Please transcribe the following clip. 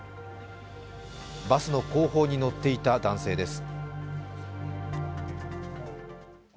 バスの後方に乗っていた男性です。